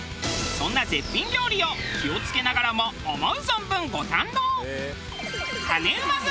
そんな絶品料理を気を付けながらも思う存分ご堪能！